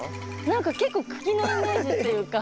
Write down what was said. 何か結構茎のイメージっていうか。